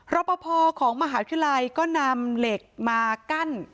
รอปภของมหาวิทยาลัยก็นำเหล็กมากั้น